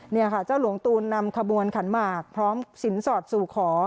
นี่ค่ะเจ้าหลวงตูนนำขบวนขันหมากพร้อมสินสอดสู่ขอ